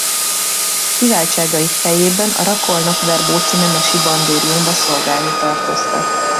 Kiváltságaik fejében a rakolnok-verebóci nemesi bandériumba szolgálni tartoztak.